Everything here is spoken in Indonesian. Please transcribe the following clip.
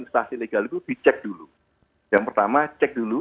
sel disco duke set dulu yang pertama cek dulu